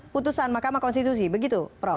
putusan mahkamah konstitusi begitu prof